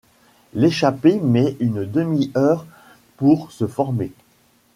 L'échappée met une demi-heure pour se former.